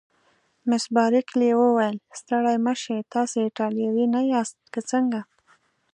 مس بارکلي وویل: ستړي مه شئ، تاسي ایټالوي نه یاست که څنګه؟